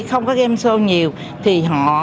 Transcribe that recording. không có game show nhiều thì họ